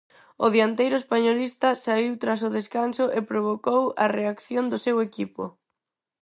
O dianteiro españolista saíu tras o descanso e provocou a reacción do seu equipo.